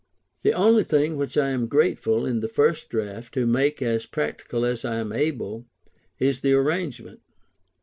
The only thing which I am careful, in the first draft, to make as perfect as I am able, is the arrangement.